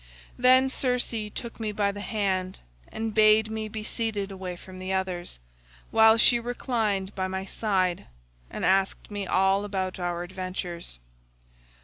Then Circe took me by the hand and bade me be seated away from the others, while she reclined by my side and asked me all about our adventures.